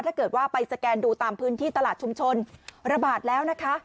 ถ้าเกิดว่าไปสแกนดูตามพื้นที่ตลาดชุมชนระบาดแล้วนะคะ